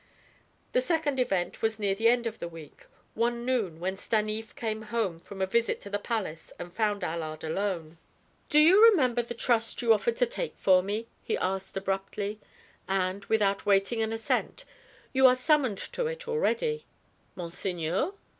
The second event was near the end of the week, one noon when Stanief came home from a visit to the palace and found Allard alone. "Do you remember the trust you offered to take for me?" he asked abruptly. And, without waiting an assent, "You are summoned to it already." "Monseigneur?"